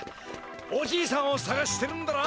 おじいさんをさがしてるんだろ？